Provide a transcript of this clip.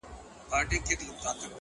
کاڼی مي د چا په لاس کي وليدی،